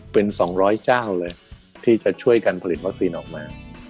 เป็น๒๐๐เจ้าเลยที่จะช่วยกันผลิตวัคซีนออกมา